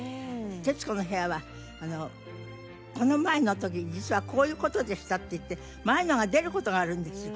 『徹子の部屋』は「この前の時実はこういう事でした」っていって前のが出る事があるんですよ。